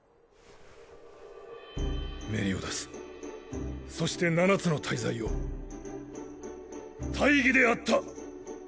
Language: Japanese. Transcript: メリオダスそして七つの大罪よ大儀であった！